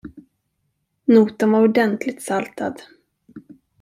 Notan var ordentligt saltad.